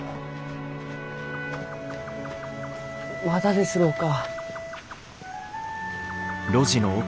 まだですろうか？